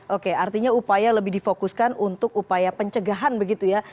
oke artinya upaya lebih difokuskan untuk upaya pencegahan begitu ya